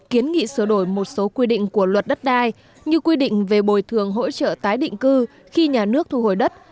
kiến nghị sửa đổi một số quy định của luật đất đai như quy định về bồi thường hỗ trợ tái định cư khi nhà nước thu hồi đất